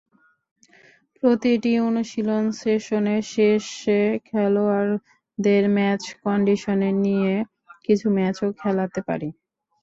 প্রতিটি অনুশীলন সেশনের শেষে খেলোয়াড়দের ম্যাচ কন্ডিশনে নিয়ে কিছু ম্যাচও খেলাতে পারি।